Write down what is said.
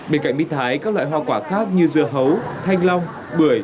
bên cạnh mít thái các loại hoa quả khác như dưa hấu thanh long bưởi